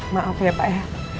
maaf ya pak ya